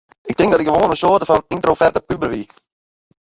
Ik tink dat ik gewoan in soarte fan yntroverte puber wie.